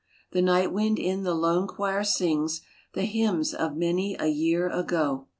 The night wind in the lone choir sings The hymns of many a year ago.